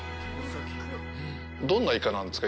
どんなイカなんですか。